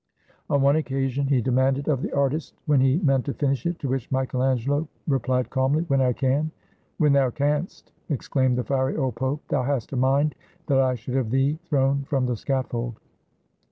On one occasion he demanded of the artist when he meant to finish it; to which Michael Angelo replied calmly, "When I can." "When thou canst!" exclaimed the fiery old Pope: "thou hast a mind that I should have thee thrown from the scaffold!"